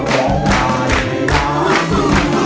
ร้องได้